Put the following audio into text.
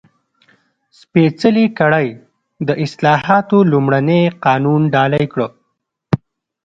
سپېڅلې کړۍ د اصلاحاتو لومړنی قانون ډالۍ کړ.